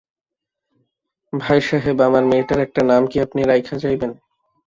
ভাইসাহেব, আমার মেয়েটার একটা নাম কি আপনি রাইখা যাইবেন?